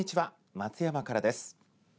松山からです。